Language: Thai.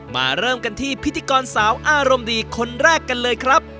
เริ่มกันที่พิธีกรสาวอารมณ์ดีคนแรกกันเลยครับ